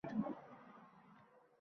— endi ularning qo‘lidan keladi bu ish.